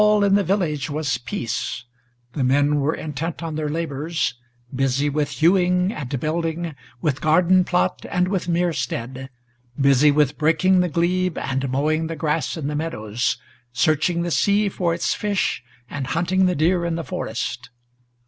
All in the village was peace; the men were intent on their labors, Busy with hewing and building, with garden plot and with merestead, Busy with breaking the glebe, and mowing the grass in the meadows, Searching the sea for its fish, and hunting the deer in the forest.